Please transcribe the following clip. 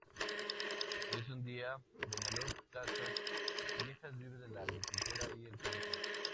Hoy en día, Benalup-Casas Viejas vive de la agricultura y el turismo.